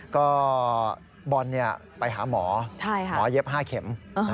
ก็บอลไปหาหมอหมอเย็บ๕เข็ม